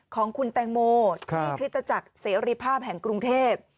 ของคุณแตงโมที่คริสตจักรเสรีภาพแห่งกรุงเทพ